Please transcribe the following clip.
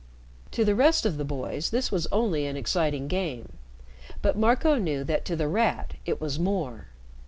To the rest of the boys this was only an exciting game, but Marco knew that to The Rat it was more.